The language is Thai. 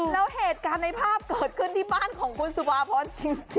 แล้วเหตุการณ์ในภาพเกิดขึ้นที่บ้านของคุณสุภาพรจริง